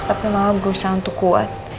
tapi malah berusaha untuk kuat